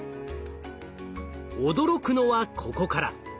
驚くのはここから。